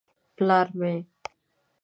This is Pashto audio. _ پلار مې.